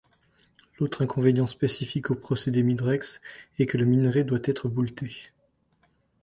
Un autre inconvénient, spécifique au procédé Midrex, est que le minerai doit être bouleté.